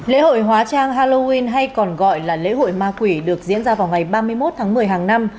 lễ hội hóa trang halloween hay còn gọi là lễ hội ma quỷ được diễn ra vào ngày ba mươi một tháng một mươi hàng năm